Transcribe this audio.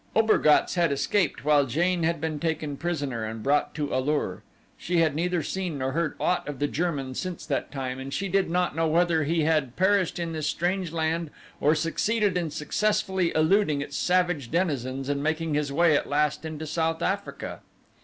Obergatz had escaped while Jane had been taken prisoner and brought to A lur. She had neither seen nor heard aught of the German since that time and she did not know whether he had perished in this strange land, or succeeded in successfully eluding its savage denizens and making his way at last into South Africa.